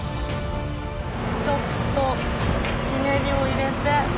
ちょっとひねりを入れて。